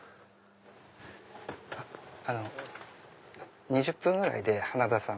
あの２０分ぐらいで花田さん